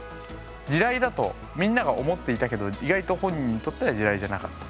地雷だとみんなが思っていたけど意外と本人にとっては地雷じゃなかったみたいなこともある。